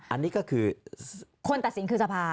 อันนี้ก็คือคนตัดสินคือสภา